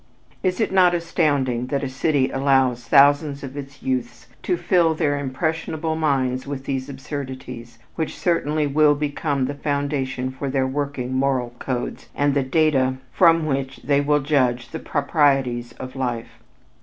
Is it not astounding that a city allows thousands of its youth to fill their impressionable minds with these absurdities which certainly will become the foundation for their working moral codes and the data from which they will judge the proprieties of life?